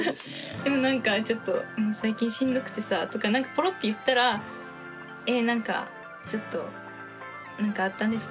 でも何かちょっと「最近しんどくてさ」とか何かポロッて言ったらえ何かちょっと「何かあったんですか？」